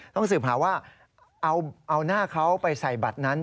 ต้องสืบหาว่าเอาหน้าเขาไปใส่บัตรนั้น